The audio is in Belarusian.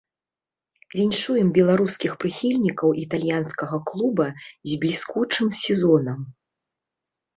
Віншуем беларускіх прыхільнікаў італьянскага клуба з бліскучым сезонам.